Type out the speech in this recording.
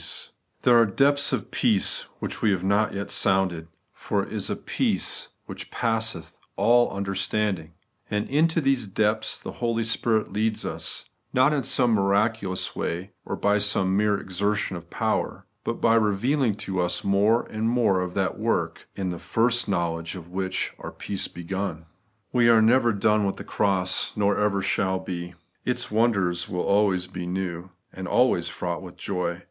Tlie Declaration of the Completeness, Gl There are dejpths of peace which we have not yet sounded, for it is * peace which passeth all under standing;' and into these depths the Holy Spirit leads us, not in some miraculous way, or by some mere exertion of power, but by revealing to us more and more of that work, in the first knowledge of which our peace began. We are never done with the cross, nor ever shall be. Its wonders will be always new, and always fraught with joy.